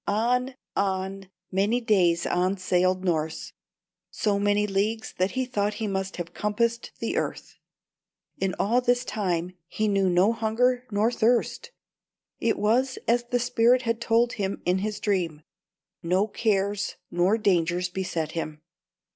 On, on, many days on sailed Norss, so many leagues that he thought he must have compassed the earth. In all this time he knew no hunger nor thirst; it was as the spirit had told him in his dream, no cares nor dangers beset him.